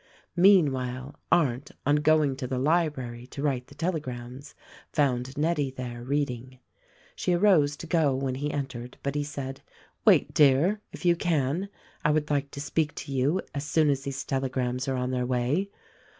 Meanwhile, Arndt on going to the library to write the telegrams, found Nettie there reading. She arose to go 272 THE RECORDING ANGEL when he entered, but he said, "Wait, dear, if you can ; I would like to speak to you as soon as these telegrams are on their way.